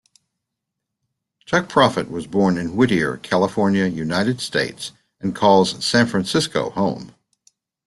Chuck Prophet was born in Whittier, California, United States and calls San Francisco home.